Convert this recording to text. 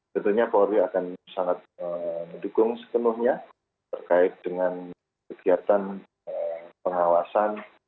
tentunya polri akan sangat mendukung sepenuhnya terkait dengan kegiatan pengawasan